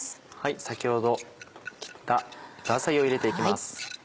先ほど切ったザーサイを入れて行きます。